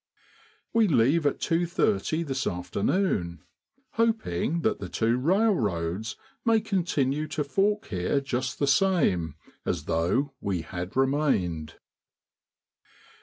We leave at 2:30 this afternoon, hoping that the two railroads may continue to fork here just the same as though we had remained.